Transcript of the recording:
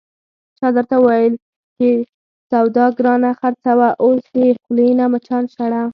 چا درته ویل چې سودا گرانه خرڅوه، اوس د خولې نه مچان شړه...